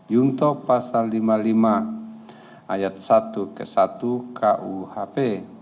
yunto pasal lima puluh lima ayat satu ke satu kuhp